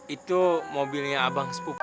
itu mobilnya abang spuk